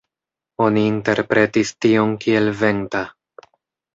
Oni interpretis tion kiel "venta".